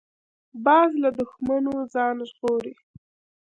باز له دوښمنو ځان ژغوري